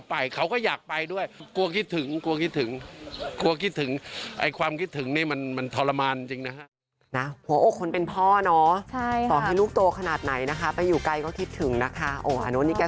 ไม่ใช่ที่เรื่องสุขเมืองอีกไม่ใช่แสวเล่นนั้นอ่า